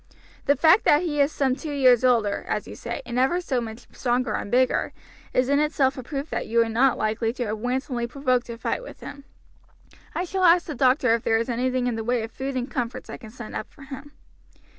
The fact that he is some two years older, as you say, and ever so much stronger and bigger, is in itself a proof that you were not likely to have wantonly provoked a fight with him. I shall ask the doctor if there is anything in the way of food and comforts I can send up for him."